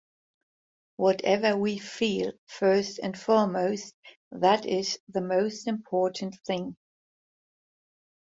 Whatever we feel, first and foremost, that is the most important thing.